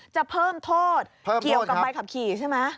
จะเพิ่มโทษเกี่ยวกับใบขับขี่ใช่ไหม